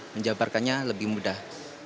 menjabarkannya lebih mudah